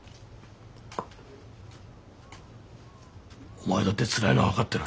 お前だってつらいのは分かってる。